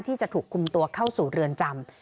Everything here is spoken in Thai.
ที่จะถูกคุมตัวเข้าสู่เรือนจำ